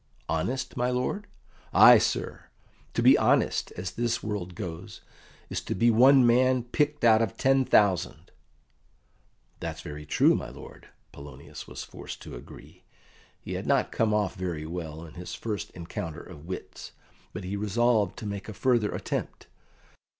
"Honest, my lord?" "Ay, sir! To be honest, as this world goes, is to be one man picked out of ten thousand." "That's very true, my lord," Polonius was forced to agree. He had not come off very well in this first encounter of wits, but he resolved to make a further attempt.